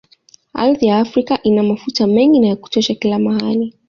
Ardhi ya Afrika ina mafuta mengi na ya kutosha kila mahali